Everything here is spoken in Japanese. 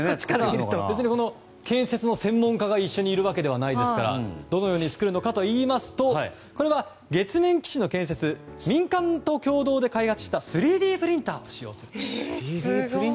建設の専門家が一緒にいるわけではないですからどのように作るかといいますと月面基地の建設は民間と共同で開発した３Ｄプリンターを使用すると。